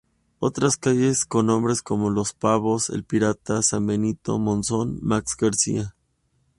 Otras calles con nombres como Los Pavos, El Pirata, San Benito, Monzón, Max García.